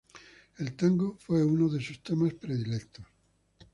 El tango fue uno de sus temas predilectos.